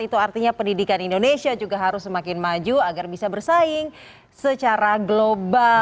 itu artinya pendidikan indonesia juga harus semakin maju agar bisa bersaing secara global